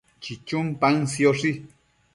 chichun paën sioshi